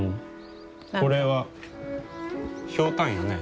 これはひょうたんよね？